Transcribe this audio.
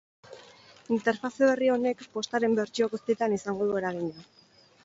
Interfaze berri honek postaren bertsio guztietan izango du eragina.